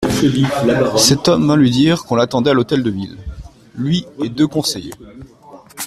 Cet homme vint lui dire qu'on l'attendait à l'Hôtel de Ville, lui et deux conseillers.